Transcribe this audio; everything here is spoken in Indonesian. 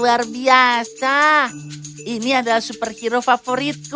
luar biasa ini adalah superhero favoritku